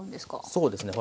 そうですね